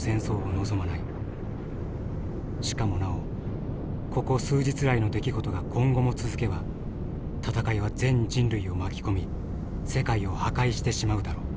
しかもなおここ数日来の出来事が今後も続けば戦いは全人類を巻き込み世界を破壊してしまうだろう。